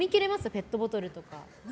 ペットボトルとか。